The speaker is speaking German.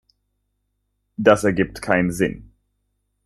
Das ergibt keinen Sinn!